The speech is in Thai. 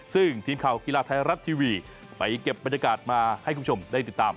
ซึ่งทีมข่าวกีฬาไทยรัฐทีวีไปเก็บบรรยากาศมาให้คุณผู้ชมได้ติดตาม